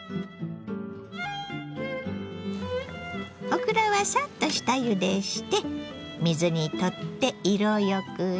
オクラはさっと下ゆでして水にとって色よくし。